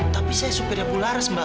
tapi saya supirnya ular mbak